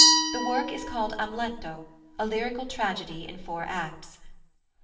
The work is called Amleto, a lyrical tragedy in four acts.